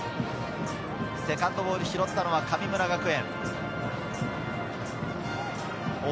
セカンドボールを拾ったのは神村学園。